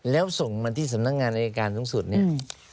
แล้วส่งมาที่สำนักงานอายการสูงสุดเนี่ย